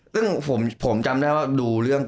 ซึ่งผมจำได้ว่าดูเรื่อง